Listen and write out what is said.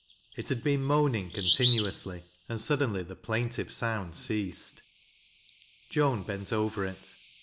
It had been moaning continuously, and suddenly the plaintive sound ceased. Joan bent over it.